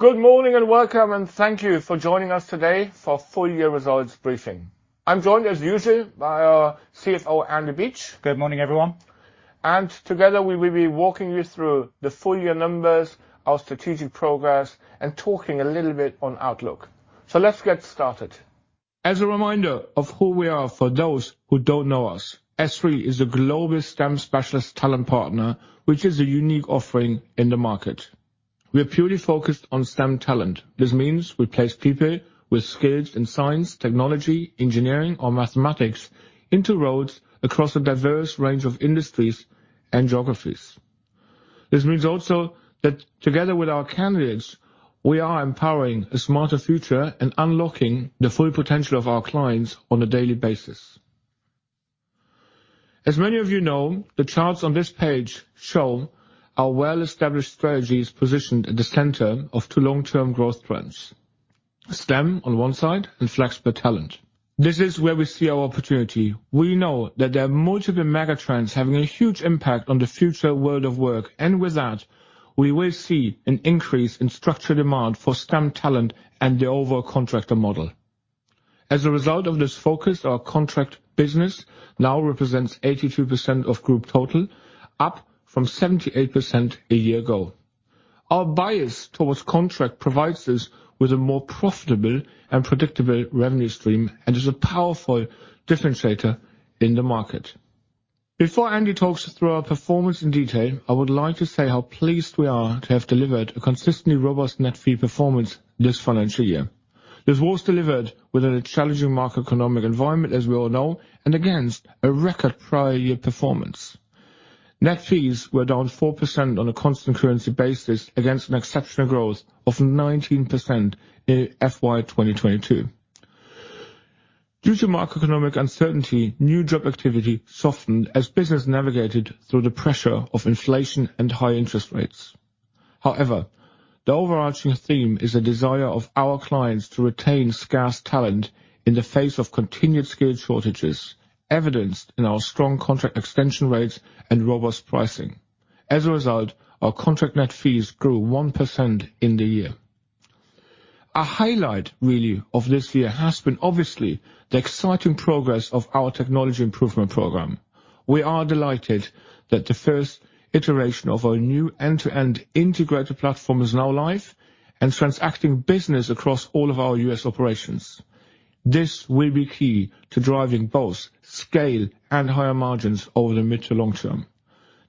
Good morning, and welcome, and thank you for joining us today for full year results briefing. I'm joined, as usual, by our CFO, Andy Beach. Good morning, everyone. Together, we will be walking you through the full year numbers, our strategic progress, and talking a little bit on outlook. Let's get started. As a reminder of who we are, for those who don't know us, SThree is a global STEM specialist talent partner, which is a unique offering in the market. We are purely focused on STEM talent. This means we place people with skills in science, technology, engineering or mathematics into roles across a diverse range of industries and geographies. This means also that together with our candidates, we are empowering a smarter future and unlocking the full potential of our clients on a daily basis. As many of you know, the charts on this page show our well-established strategy is positioned at the center of two long-term growth trends: STEM on one side and flexible talent. This is where we see our opportunity. We know that there are multiple mega trends having a huge impact on the future world of work, and with that, we will see an increase in structured demand for STEM talent and the overall contractor model. As a result of this focus, our contract business now represents 82% of group total, up from 78% a year ago. Our bias towards contract provides us with a more profitable and predictable revenue stream and is a powerful differentiator in the market. Before Andy talks us through our performance in detail, I would like to say how pleased we are to have delivered a consistently robust net fee performance this financial year. This was delivered within a challenging macroeconomic environment, as we all know, and against a record prior year performance. Net fees were down 4% on a constant currency basis against an exceptional growth of 19% in FY 2022. Due to macroeconomic uncertainty, new job activity softened as business navigated through the pressure of inflation and high interest rates. However, the overarching theme is a desire of our clients to retain scarce talent in the face of continued skill shortages, evidenced in our strong contract extension rates and robust pricing. As a result, our contract net fees grew 1% in the year. A highlight, really, of this year has been obviously the exciting progress of our Technology Improvement Programme. We are delighted that the first iteration of our new end-to-end integrated platform is now live and transacting business across all of our U.S. operations. This will be key to driving both scale and higher margins over the mid to long term.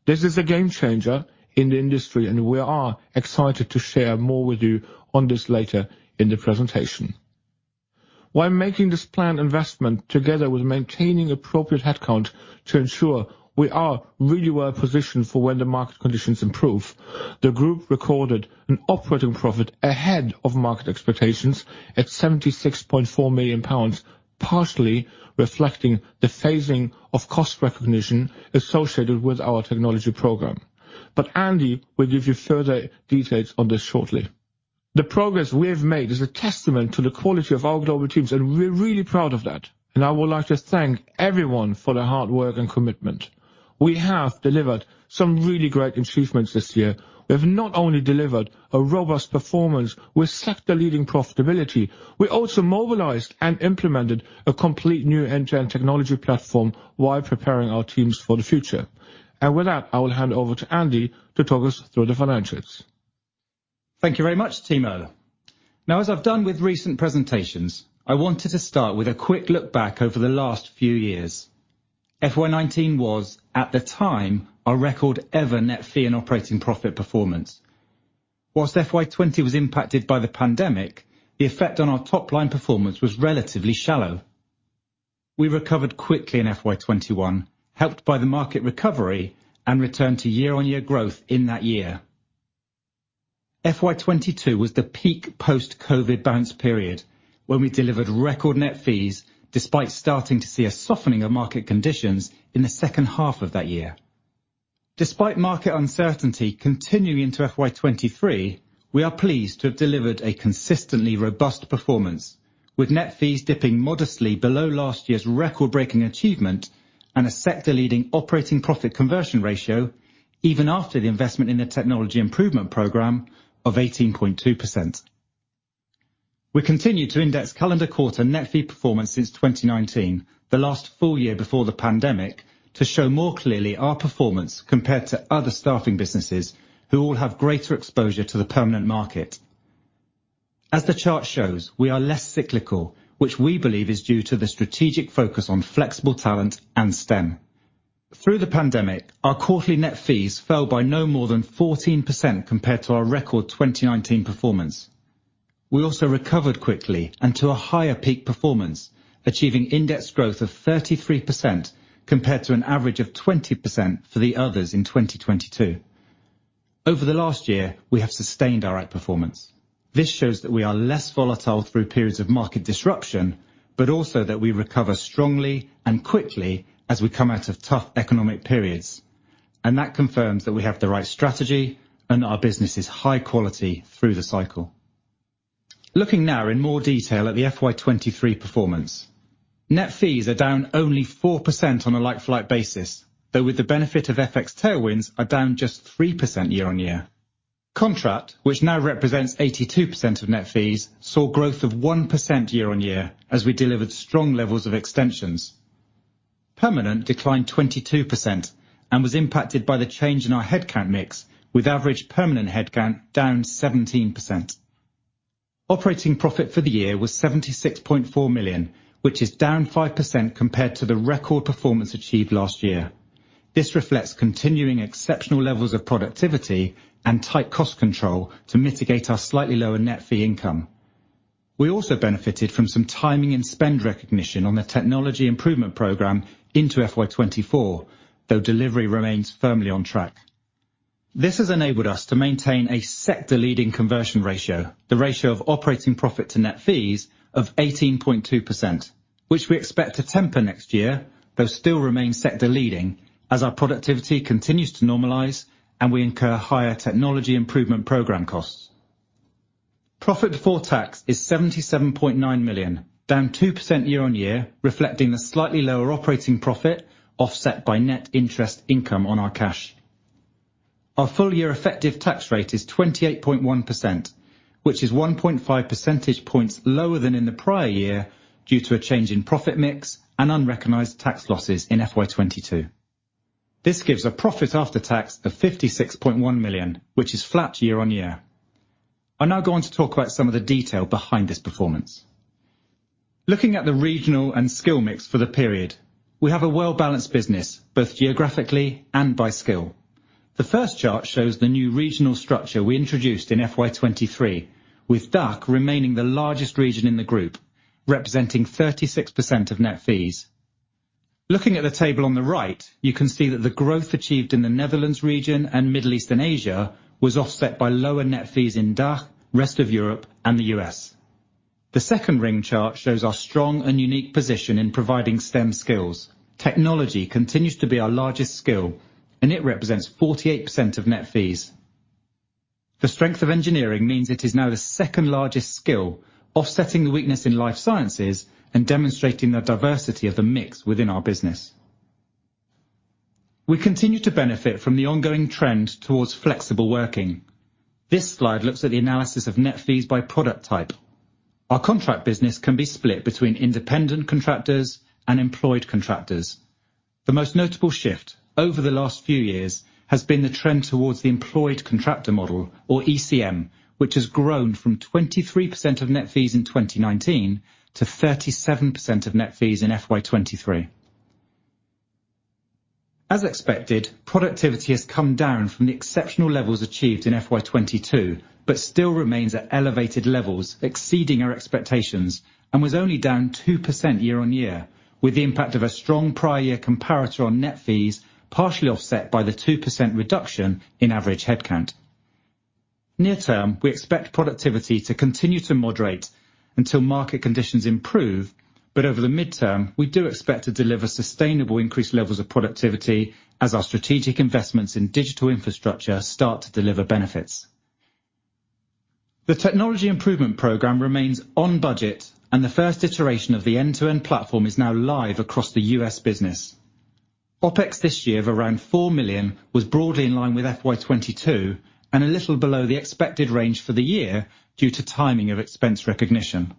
This is a game changer in the industry, and we are excited to share more with you on this later in the presentation. While making this planned investment, together with maintaining appropriate headcount to ensure we are really well positioned for when the market conditions improve, the group recorded an operating profit ahead of market expectations at 76.4 million pounds, partially reflecting the phasing of cost recognition associated with our technology program. But Andy will give you further details on this shortly. The progress we have made is a testament to the quality of our global teams, and we're really proud of that, and I would like to thank everyone for their hard work and commitment. We have delivered some really great achievements this year. We have not only delivered a robust performance with sector-leading profitability, we also mobilized and implemented a complete new end-to-end technology platform while preparing our teams for the future. With that, I will hand over to Andy to talk us through the financials. Thank you very much, Timo. Now, as I've done with recent presentations, I wanted to start with a quick look back over the last few years. FY 2019 was, at the time, our record ever net fee and operating profit performance. While FY 2020 was impacted by the pandemic, the effect on our top-line performance was relatively shallow. We recovered quickly in FY 2021, helped by the market recovery and returned to year-on-year growth in that year. FY 2022 was the peak post-Covid bounce period, when we delivered record net fees, despite starting to see a softening of market conditions in the second half of that year. Despite market uncertainty continuing into FY 2023, we are pleased to have delivered a consistently robust performance, with net fees dipping modestly below last year's record-breaking achievement and a sector-leading operating profit conversion ratio, even after the investment in the Technology Improvement Programme of 18.2%. We continue to index calendar quarter net fee performance since 2019, the last full year before the pandemic, to show more clearly our performance compared to other staffing businesses who all have greater exposure to the permanent market. As the chart shows, we are less cyclical, which we believe is due to the strategic focus on flexible talent and STEM. Through the pandemic, our quarterly net fees fell by no more than 14% compared to our record 2019 performance. We also recovered quickly and to a higher peak performance, achieving index growth of 33% compared to an average of 20% for the others in 2022. Over the last year, we have sustained our outperformance. This shows that we are less volatile through periods of market disruption, but also that we recover strongly and quickly as we come out of tough economic periods. And that confirms that we have the right strategy, and our business is high quality through the cycle... Looking now in more detail at the FY 2023 performance. Net fees are down only 4% on a like-for-like basis, though with the benefit of FX tailwinds, are down just 3% year-on-year. Contract, which now represents 82% of net fees, saw growth of 1% year-on-year as we delivered strong levels of extensions. Permanent declined 22% and was impacted by the change in our headcount mix, with average permanent headcount down 17%. Operating profit for the year was 76.4 million, which is down 5% compared to the record performance achieved last year. This reflects continuing exceptional levels of productivity and tight cost control to mitigate our slightly lower net fee income. We also benefited from some timing and spend recognition on the Technology Improvement Programme into FY 2024, though delivery remains firmly on track. This has enabled us to maintain a sector-leading conversion ratio, the ratio of operating profit to net fees of 18.2%, which we expect to temper next year, though still remain sector-leading as our productivity continues to normalize and we incur higher Technology Improvement Programme costs. Profit before tax is 77.9 million, down 2% year-on-year, reflecting the slightly lower operating profit, offset by net interest income on our cash. Our full year effective tax rate is 28.1%, which is 1.5 percentage points lower than in the prior year, due to a change in profit mix and unrecognized tax losses in FY 2022. This gives a profit after tax of 56.1 million, which is flat year-on-year. I'm now going to talk about some of the detail behind this performance. Looking at the regional and skill mix for the period, we have a well-balanced business, both geographically and by skill. The first chart shows the new regional structure we introduced in FY 2023, with DACH remaining the largest region in the group, representing 36% of net fees. Looking at the table on the right, you can see that the growth achieved in the Netherlands region and Middle East and Asia was offset by lower net fees in DACH, Rest of Europe, and the U.S. The second ring chart shows our strong and unique position in providing STEM skills. Technology continues to be our largest skill, and it represents 48% of net fees. The strength of engineering means it is now the second-largest skill, offsetting the weakness in life sciences and demonstrating the diversity of the mix within our business. We continue to benefit from the ongoing trend towards flexible working. This slide looks at the analysis of net fees by product type. Our contract business can be split between independent contractors and employed contractors. The most notable shift over the last few years has been the trend towards the employed contractor model, or ECM, which has grown from 23% of net fees in 2019 to 37% of net fees in FY 2023. As expected, productivity has come down from the exceptional levels achieved in FY 2022, but still remains at elevated levels, exceeding our expectations, and was only down 2% year-on-year, with the impact of a strong prior year comparator on net fees, partially offset by the 2% reduction in average headcount. Near term, we expect productivity to continue to moderate until market conditions improve, but over the midterm, we do expect to deliver sustainable increased levels of productivity as our strategic investments in digital infrastructure start to deliver benefits. The Technology Improvement Programme remains on budget, and the first iteration of the end-to-end platform is now live across the U.S. business. OpEx this year of around 4 million was broadly in line with FY 2022 and a little below the expected range for the year due to timing of expense recognition.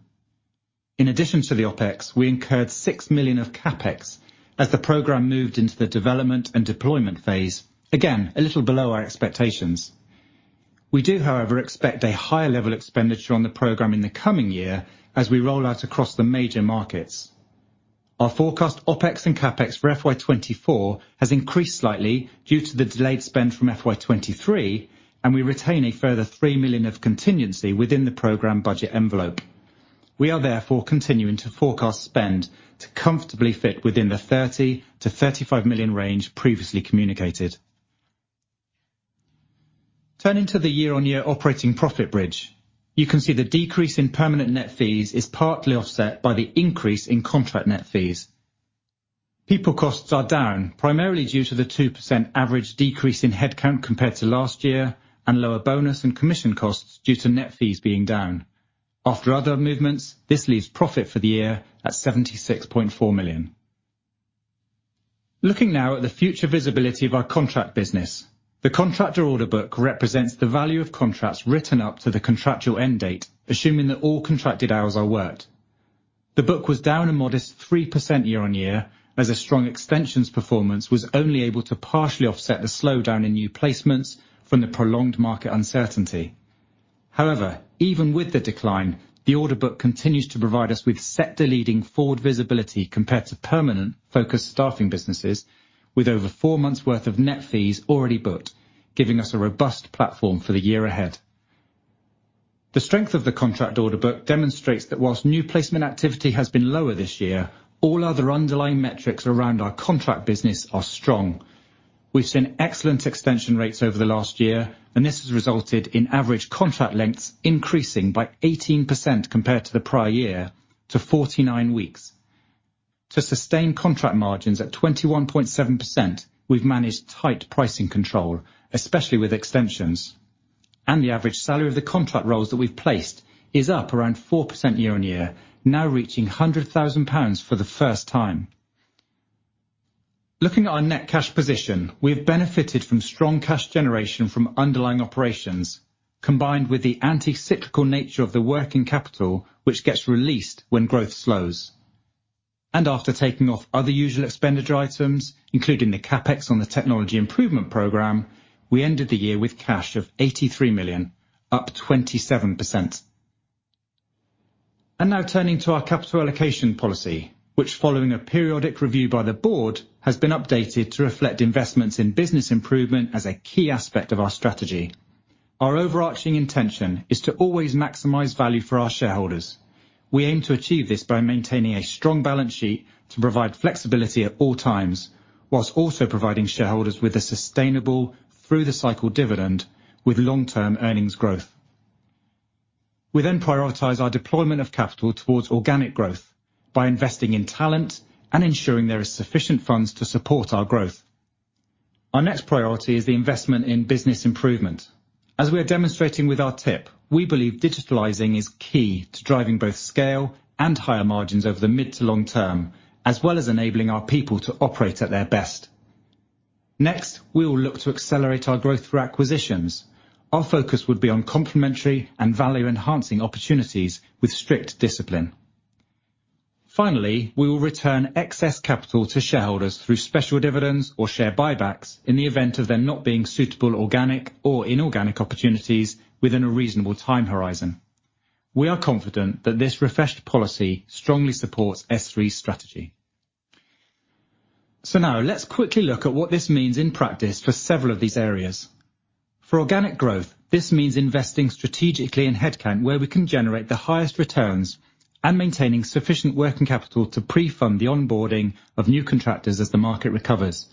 In addition to the OpEx, we incurred 6 million of CapEx as the program moved into the development and deployment phase. Again, a little below our expectations. We do, however, expect a higher level of expenditure on the program in the coming year as we roll out across the major markets. Our forecast, OpEx and CapEx for FY 2024 has increased slightly due to the delayed spend from FY 2023, and we retain a further 3 million of contingency within the program budget envelope. We are therefore continuing to forecast spend to comfortably fit within the 30 million-35 million range previously communicated. Turning to the year-on-year operating profit bridge, you can see the decrease in permanent net fees is partly offset by the increase in contract net fees. People costs are down, primarily due to the 2% average decrease in headcount compared to last year, and lower bonus and commission costs due to net fees being down. After other movements, this leaves profit for the year at 76.4 million. Looking now at the future visibility of our contract business, the contractor order book represents the value of contracts written up to the contractual end date, assuming that all contracted hours are worked. The book was down a modest 3% year-on-year, as a strong extensions performance was only able to partially offset the slowdown in new placements from the prolonged market uncertainty. However, even with the decline, the order book continues to provide us with sector-leading forward visibility compared to permanent focused staffing businesses with over four months' worth of net fees already booked, giving us a robust platform for the year ahead. The strength of the contract order book demonstrates that while new placement activity has been lower this year, all other underlying metrics around our contract business are strong. We've seen excellent extension rates over the last year, and this has resulted in average contract lengths increasing by 18% compared to the prior year, to 49 weeks.... To sustain contract margins at 21.7%, we've managed tight pricing control, especially with extensions, and the average salary of the contract roles that we've placed is up around 4% year-on-year, now reaching 100,000 pounds for the first time. Looking at our net cash position, we have benefited from strong cash generation from underlying operations, combined with the anti-cyclical nature of the working capital, which gets released when growth slows. After taking off other usual expenditure items, including the CapEx on the Technology Improvement Programme, we ended the year with cash of 83 million, up 27%. Now turning to our capital allocation policy, which, following a periodic review by the Board, has been updated to reflect investments in business improvement as a key aspect of our strategy. Our overarching intention is to always maximize value for our shareholders. We aim to achieve this by maintaining a strong balance sheet to provide flexibility at all times, while also providing shareholders with a sustainable through-the-cycle dividend with long-term earnings growth. We then prioritize our deployment of capital towards organic growth by investing in talent and ensuring there is sufficient funds to support our growth. Our next priority is the investment in business improvement. As we are demonstrating with our TIP, we believe digitalizing is key to driving both scale and higher margins over the mid to long term, as well as enabling our people to operate at their best. Next, we will look to accelerate our growth through acquisitions. Our focus would be on complementary and value-enhancing opportunities with strict discipline. Finally, we will return excess capital to shareholders through special dividends or share buybacks in the event of there not being suitable organic or inorganic opportunities within a reasonable time horizon. We are confident that this refreshed policy strongly supports SThree's strategy. So now let's quickly look at what this means in practice for several of these areas. For organic growth, this means investing strategically in headcount, where we can generate the highest returns, and maintaining sufficient working capital to pre-fund the onboarding of new contractors as the market recovers.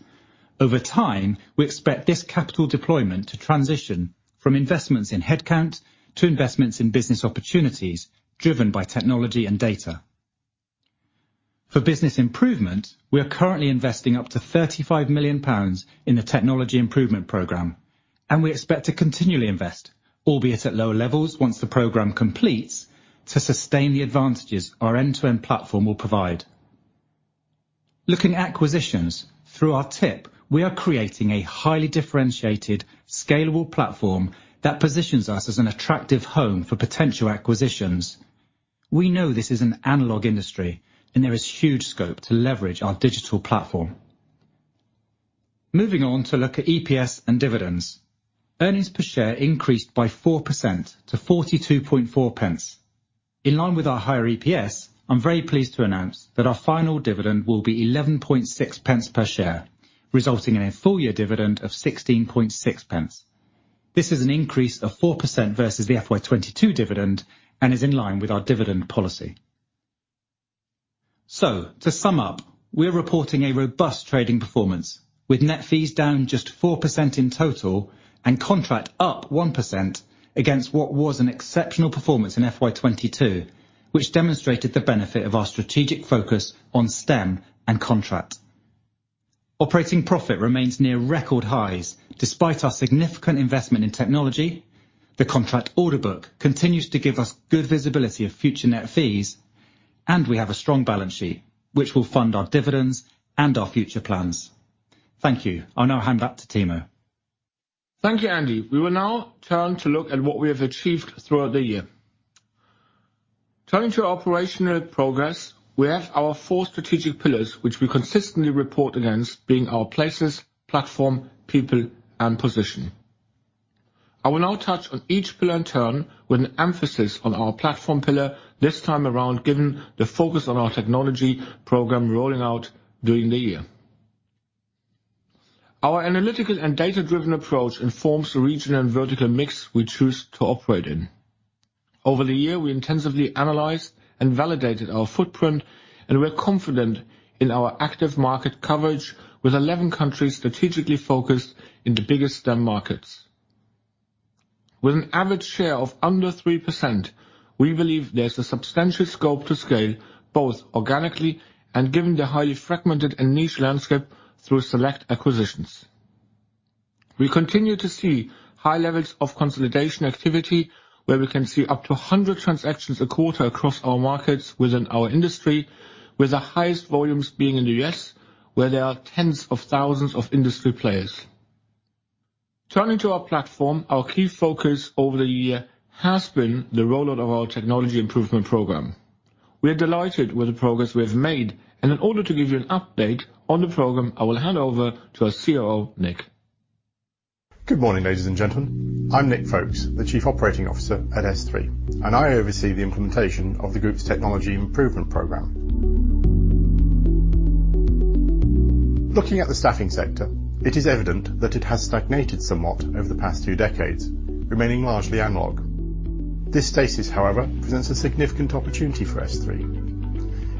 Over time, we expect this capital deployment to transition from investments in headcount to investments in business opportunities driven by technology and data. For business improvement, we are currently investing up to 35 million pounds in the Technology Improvement Programme, and we expect to continually invest, albeit at lower levels once the program completes, to sustain the advantages our end-to-end platform will provide. Looking at acquisitions, through our TIP, we are creating a highly differentiated, scalable platform that positions us as an attractive home for potential acquisitions. We know this is an analog industry, and there is huge scope to leverage our digital platform. Moving on to look at EPS and dividends. Earnings per share increased by 4% to 42.4 pence. In line with our higher EPS, I'm very pleased to announce that our final dividend will be 11.6 pence per share, resulting in a full year dividend of 16.6 pence. This is an increase of 4% versus the FY 2022 dividend and is in line with our dividend policy. So to sum up, we're reporting a robust trading performance, with net fees down just 4% in total and contract up 1% against what was an exceptional performance in FY 2022, which demonstrated the benefit of our strategic focus on STEM and contract. Operating profit remains near record highs, despite our significant investment in technology. The contract order book continues to give us good visibility of future net fees, and we have a strong balance sheet, which will fund our dividends and our future plans. Thank you. I'll now hand back to Timo. Thank you, Andy. We will now turn to look at what we have achieved throughout the year. Turning to our operational progress, we have our four strategic pillars, which we consistently report against, being our places, platform, people, and position. I will now touch on each pillar in turn, with an emphasis on our platform pillar this time around, given the focus on our technology program rolling out during the year. Our analytical and data-driven approach informs the regional and vertical mix we choose to operate in. Over the year, we intensively analyzed and validated our footprint, and we're confident in our active market coverage with 11 countries strategically focused in the biggest STEM markets. With an average share of under 3%, we believe there's a substantial scope to scale, both organically and given the highly fragmented and niche landscape, through select acquisitions. We continue to see high levels of consolidation activity, where we can see up to 100 transactions a quarter across our markets within our industry, with the highest volumes being in the U.S., where there are tens of thousands of industry players. Turning to our platform, our key focus over the year has been the rollout of our Technology Improvement Programme. We are delighted with the progress we have made, and in order to give you an update on the program, I will hand over to our COO, Nick. Good morning, ladies and gentlemen. I'm Nick Folkes, the Chief Operating Officer at SThree, and I oversee the implementation of the group's technology improvement programme. Looking at the staffing sector, it is evident that it has stagnated somewhat over the past two decades, remaining largely analog. This stasis, however, presents a significant opportunity for SThree.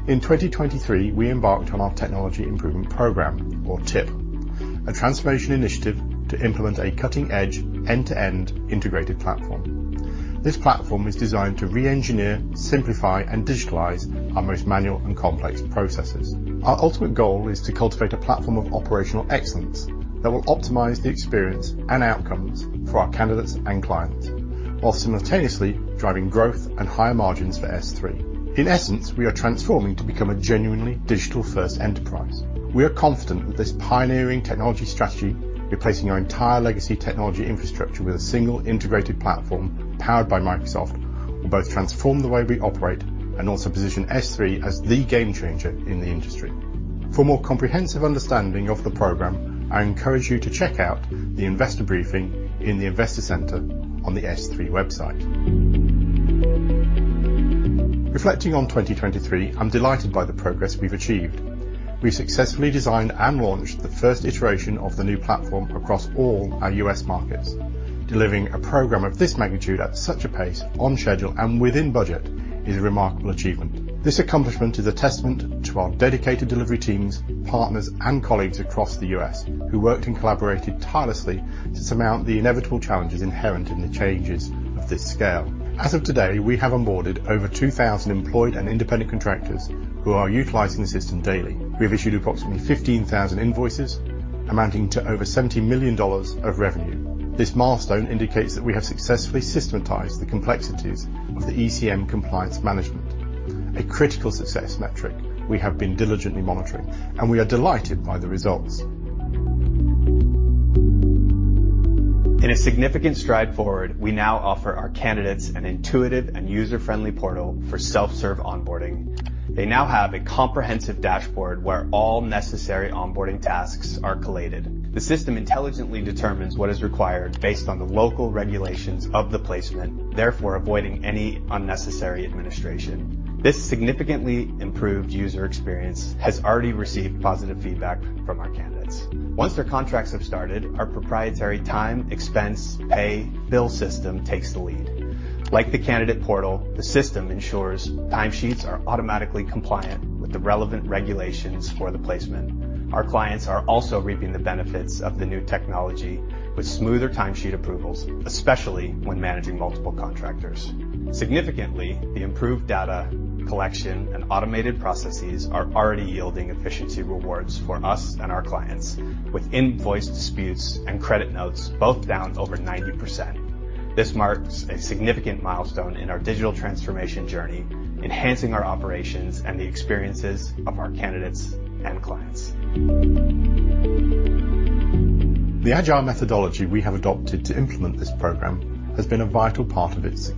In 2023, we embarked on our technology improvement programme, or TIP, a transformation initiative to implement a cutting-edge, end-to-end integrated platform.... This platform is designed to re-engineer, simplify, and digitalize our most manual and complex processes. Our ultimate goal is to cultivate a platform of operational excellence that will optimize the experience and outcomes for our candidates and clients, while simultaneously driving growth and higher margins for SThree. In essence, we are transforming to become a genuinely digital-first enterprise. We are confident that this pioneering technology strategy, replacing our entire legacy technology infrastructure with a single integrated platform powered by Microsoft, will both transform the way we operate and also position SThree as the game changer in the industry. For a more comprehensive understanding of the program, I encourage you to check out the investor briefing in the Investor Center on the SThree website. Reflecting on 2023, I'm delighted by the progress we've achieved. We successfully designed and launched the first iteration of the new platform across all our U.S. markets. Delivering a program of this magnitude at such a pace, on schedule, and within budget is a remarkable achievement. This accomplishment is a testament to our dedicated delivery teams, partners, and colleagues across the U.S., who worked and collaborated tirelessly to surmount the inevitable challenges inherent in the changes of this scale. As of today, we have onboarded over 2,000 employed and independent contractors who are utilizing the system daily. We have issued approximately 15,000 invoices, amounting to over $70 million of revenue. This milestone indicates that we have successfully systematized the complexities of the ECM compliance management, a critical success metric we have been diligently monitoring, and we are delighted by the results. In a significant stride forward, we now offer our candidates an intuitive and user-friendly portal for self-serve onboarding. They now have a comprehensive dashboard where all necessary onboarding tasks are collated. The system intelligently determines what is required based on the local regulations of the placement, therefore avoiding any unnecessary administration. This significantly improved user experience has already received positive feedback from our candidates. Once their contracts have started, our proprietary time, expense, pay, bill system takes the lead. Like the candidate portal, the system ensures timesheets are automatically compliant with the relevant regulations for the placement. Our clients are also reaping the benefits of the new technology with smoother timesheet approvals, especially when managing multiple contractors. Significantly, the improved data collection and automated processes are already yielding efficiency rewards for us and our clients, with invoice disputes and credit notes both down over 90%. This marks a significant milestone in our digital transformation journey, enhancing our operations and the experiences of our candidates and clients. The agile methodology we have adopted to implement this program has been a vital part of its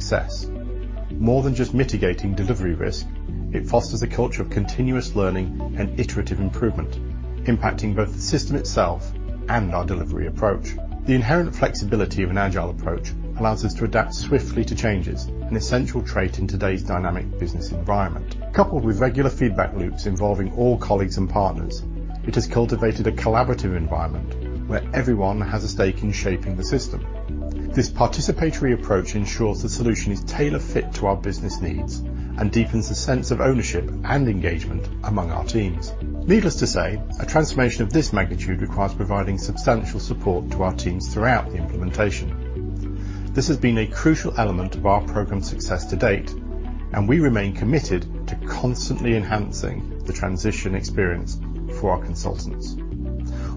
success. More than just mitigating delivery risk, it fosters a culture of continuous learning and iterative improvement, impacting both the system itself and our delivery approach. The inherent flexibility of an agile approach allows us to adapt swiftly to changes, an essential trait in today's dynamic business environment. Coupled with regular feedback loops involving all colleagues and partners, it has cultivated a collaborative environment where everyone has a stake in shaping the system. This participatory approach ensures the solution is tailor-fit to our business needs and deepens the sense of ownership and engagement among our teams. Needless to say, a transformation of this magnitude requires providing substantial support to our teams throughout the implementation. This has been a crucial element of our program's success to date, and we remain committed to constantly enhancing the transition experience for our consultants.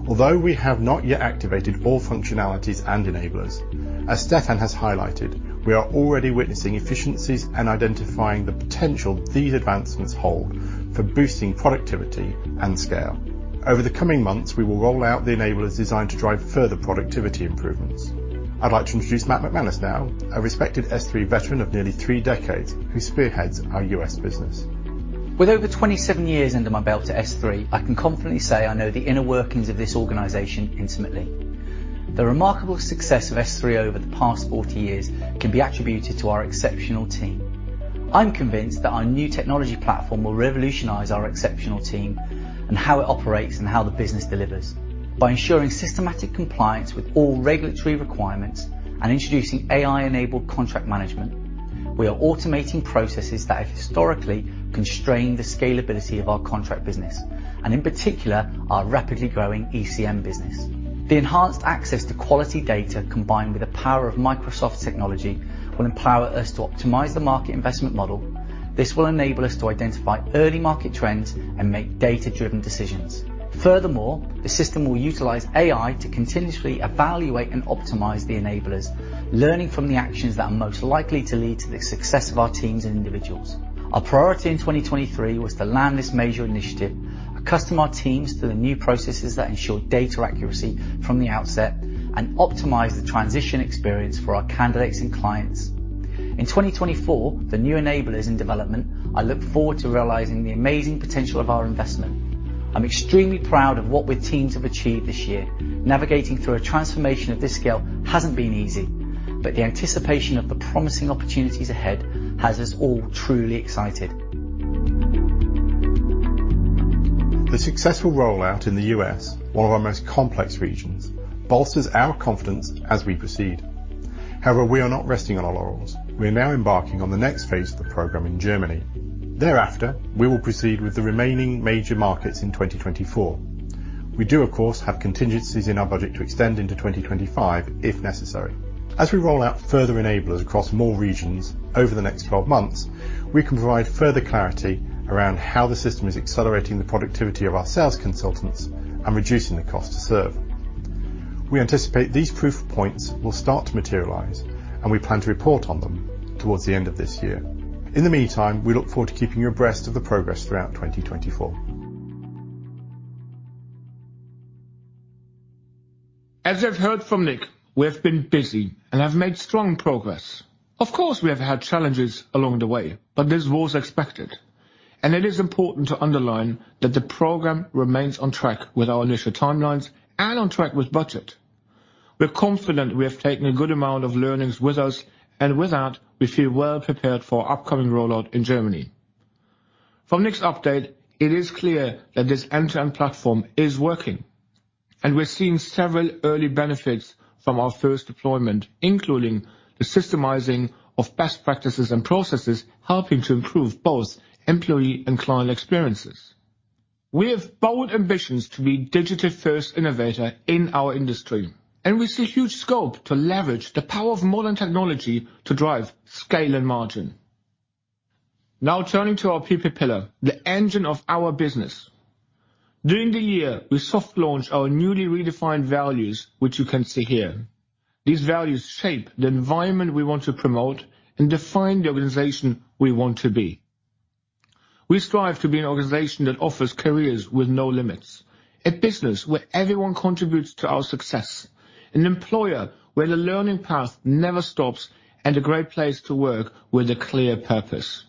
Although we have not yet activated all functionalities and enablers, as Timo has highlighted, we are already witnessing efficiencies and identifying the potential these advancements hold for boosting productivity and scale. Over the coming months, we will roll out the enablers designed to drive further productivity improvements. I'd like to introduce Matt McManus now, a respected SThree veteran of nearly three decades, who spearheads our U.S. business. With over 27 years under my belt at SThree, I can confidently say I know the inner workings of this organization intimately. The remarkable success of SThree over the past 40 years can be attributed to our exceptional team. I'm convinced that our new technology platform will revolutionize our exceptional team and how it operates and how the business delivers. By ensuring systematic compliance with all regulatory requirements and introducing AI-enabled contract management, we are automating processes that have historically constrained the scalability of our contract business, and in particular, our rapidly growing ECM business. The enhanced access to quality data, combined with the power of Microsoft technology, will empower us to optimize the market investment model. This will enable us to identify early market trends and make data-driven decisions. Furthermore, the system will utilize AI to continuously evaluate and optimize the enablers, learning from the actions that are most likely to lead to the success of our teams and individuals. Our priority in 2023 was to land this major initiative, accustom our teams to the new processes that ensure data accuracy from the outset, and optimize the transition experience for our candidates and clients. In 2024, the new enablers in development, I look forward to realizing the amazing potential of our investment. I'm extremely proud of what we as teams have achieved this year. Navigating through a transformation of this scale hasn't been easy, but the anticipation of the promising opportunities ahead has us all truly excited. The successful rollout in the U.S., one of our most complex regions, bolsters our confidence as we proceed. However, we are not resting on our laurels. We are now embarking on the next phase of the program in Germany. Thereafter, we will proceed with the remaining major markets in 2024. We do, of course, have contingencies in our budget to extend into 2025, if necessary. As we roll out further enablers across more regions over the next 12 months, we can provide further clarity around how the system is accelerating the productivity of our sales consultants and reducing the cost to serve. We anticipate these proof points will start to materialize, and we plan to report on them towards the end of this year. In the meantime, we look forward to keeping you abreast of the progress throughout 2024. As you've heard from Nick, we have been busy and have made strong progress. Of course, we have had challenges along the way, but this was expected, and it is important to underline that the program remains on track with our initial timelines and on track with budget. We're confident we have taken a good amount of learnings with us, and with that, we feel well prepared for our upcoming rollout in Germany. From Nick's update, it is clear that this end-to-end platform is working, and we're seeing several early benefits from our first deployment, including the systemizing of best practices and processes, helping to improve both employee and client experiences. We have bold ambitions to be digital-first innovator in our industry, and we see huge scope to leverage the power of modern technology to drive scale and margin. Now, turning to our people pillar, the engine of our business. During the year, we soft launched our newly redefined values, which you can see here. These values shape the environment we want to promote and define the organization we want to be. We strive to be an organization that offers careers with no limits, a business where everyone contributes to our success, an employer where the learning path never stops, and a great place to work with a clear purpose.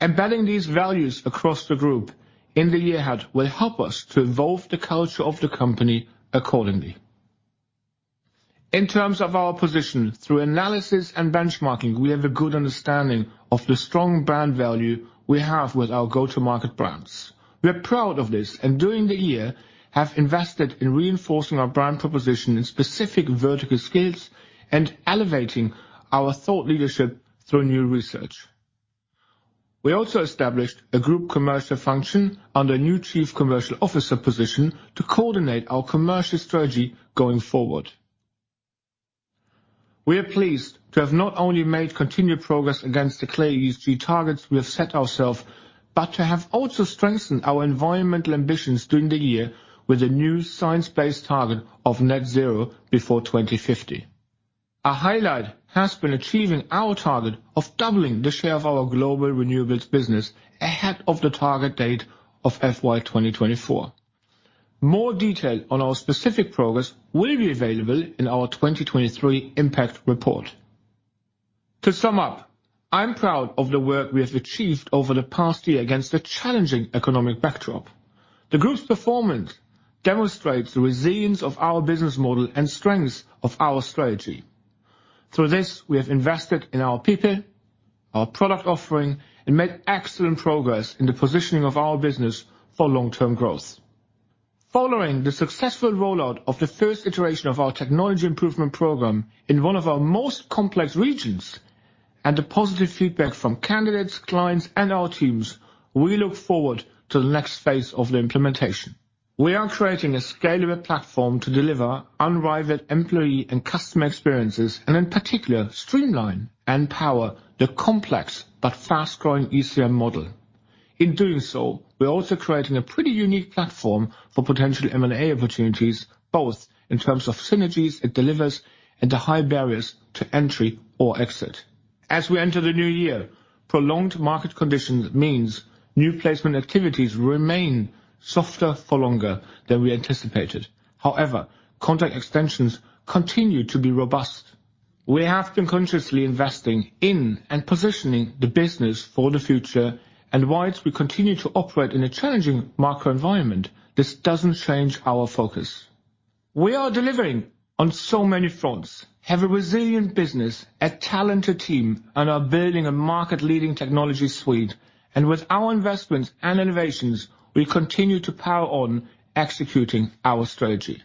Embedding these values across the group in the year ahead will help us to evolve the culture of the company accordingly. In terms of our position, through analysis and benchmarking, we have a good understanding of the strong brand value we have with our go-to-market brands. We are proud of this, and during the year, have invested in reinforcing our brand proposition in specific vertical skills and elevating our thought leadership through new research. We also established a group commercial function under a new chief commercial officer position to coordinate our commercial strategy going forward. We are pleased to have not only made continued progress against the clear ESG targets we have set ourselves, but to have also strengthened our environmental ambitions during the year with a new science-based target of net zero before 2050. A highlight has been achieving our target of doubling the share of our global renewables business ahead of the target date of FY 2024. More detail on our specific progress will be available in our 2023 Impact Report. To sum up, I'm proud of the work we have achieved over the past year against a challenging economic backdrop. The group's performance demonstrates the resilience of our business model and strengths of our strategy. Through this, we have invested in our people, our product offering, and made excellent progress in the positioning of our business for long-term growth. Following the successful rollout of the first iteration of our Technology Improvement Programme in one of our most complex regions, and the positive feedback from candidates, clients, and our teams, we look forward to the next phase of the implementation. We are creating a scalable platform to deliver unrivaled employee and customer experiences, and in particular, streamline and power the complex but fast-growing ECM model. In doing so, we're also creating a pretty unique platform for potential M&A opportunities, both in terms of synergies it delivers and the high barriers to entry or exit. As we enter the new year, prolonged market conditions means new placement activities will remain softer for longer than we anticipated. However, contract extensions continue to be robust. We have been consciously investing in and positioning the business for the future, and while we continue to operate in a challenging macro environment, this doesn't change our focus. We are delivering on so many fronts, have a resilient business, a talented team, and are building a market-leading technology suite. With our investments and innovations, we continue to power on executing our strategy.